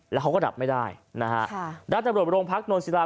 แล้วเขาก็ดับไม่ได้นะฮะค่ะด้านตำรวจโรงพักนวลศิลา